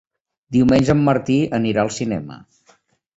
Diumenge en Martí anirà al cinema.